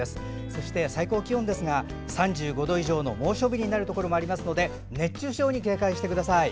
そして最高気温ですが３５度以上の猛暑日になるところもありますので熱中症に警戒してください。